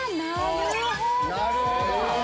なるほど！